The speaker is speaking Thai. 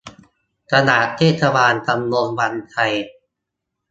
ตลาดเทศบาลตำบลวังชัย